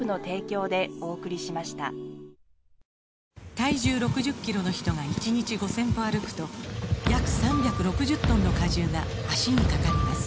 体重６０キロの人が１日５０００歩歩くと約３６０トンの荷重が脚にかかります